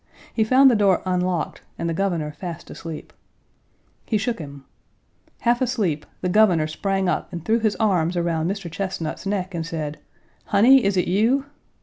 He found the door unlocked and the Governor fast asleep. He shook him. Half asleep, the Governor sprang up and threw his arms around Mr. Chesnut's neck and said: "Honey, is it you?"